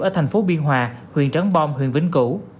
ở thành phố biên hòa huyện trấn bom huyện vĩnh củ